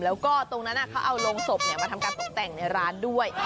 แล้วก็ตรงนั้นเขาเอาโรงศพมาทำการตกแต่งในร้านด้วย